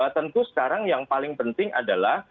tentu sekarang yang paling penting adalah